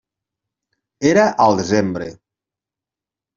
Era al desembre.